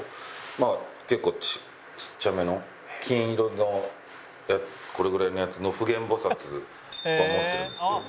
まあ結構ちっちゃめの金色のこれぐらいのやつの普賢菩薩は持ってるんですけど。